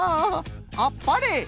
あっぱれ！